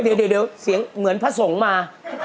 เดี๋ยวเดี๋ยวเสียงเหมือนพระสงธ์มา